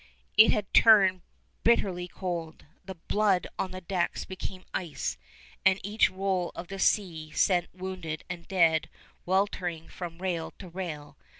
It had turned bitterly cold. The blood on the decks became ice, and each roll of the sea sent wounded and dead weltering from rail to rail.